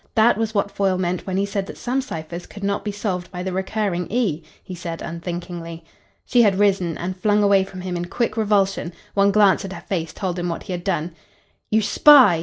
"That was what Foyle meant when he said that some ciphers could not be solved by the recurring E," he said unthinkingly. She had risen and flung away from him in quick revulsion. One glance at her face told him what he had done. "You spy!"